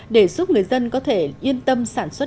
để giúp người dân có thể yên tâm sản xuất